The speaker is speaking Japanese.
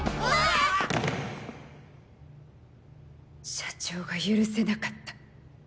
社長が許せなかった。